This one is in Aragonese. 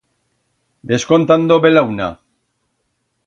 Ves contando belauna.